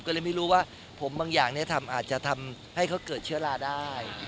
ก็เลยไม่รู้ว่าผมบางอย่างทำอาจจะทำให้เขาเกิดเชื้อราได้